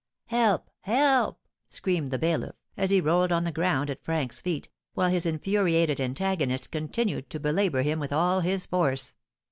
"Help, help!" screamed the bailiff, as he rolled on the ground at Frank's feet, while his infuriated antagonist continued to belabour him with all his force.